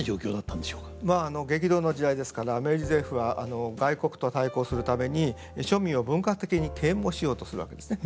まあ激動の時代ですから明治政府は外国と対抗するために庶民を文化的に啓蒙しようとするわけですね。